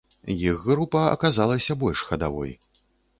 Іх група аказалася больш хадавой.